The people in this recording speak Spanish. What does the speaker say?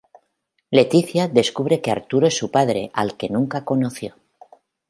Leticia descubre que Arturo es su padre, al que nunca conoció.